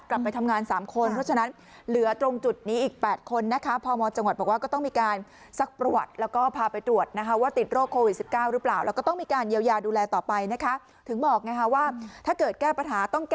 กลับไปทำงาน๓คนเพราะฉะนั้นเหลือตรงจุดนี้อีก๘คนนะคะ